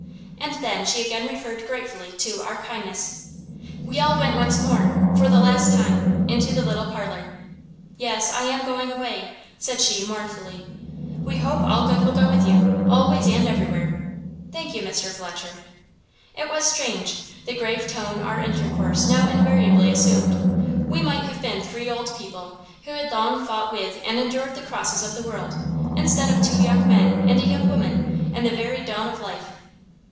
And then she again referred gratefully to our "kindness." We all went once more for the last time into the little parlour. "Yes I am going away," said she, mournfully. "We hope all good will go with you always and everywhere." "Thank you, Mr. Fletcher." It was strange, the grave tone our intercourse now invariably assumed. We might have been three old people, who had long fought with and endured the crosses of the world, instead of two young men and a young woman, in the very dawn of life.